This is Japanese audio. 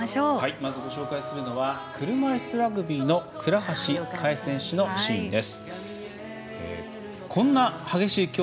まずご紹介するのは車いすラグビーの倉橋香衣選手のシーンです。